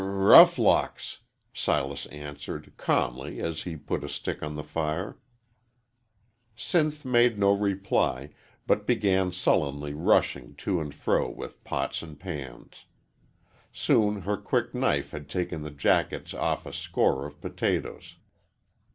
"R roughlocks!" Silas answered, calmly, as he put a stick on the fire. Sinth made no reply, but began sullenly rushing to and fro with pots and pans. Soon her quick knife had taken the jackets off a score of potatoes.